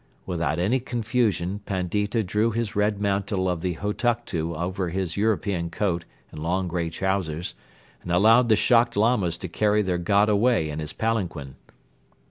Without any confusion Pandita drew his red mantle of the Hutuktu over his European coat and long grey trousers and allowed the shocked Lamas to carry their "God" away in his palanquin.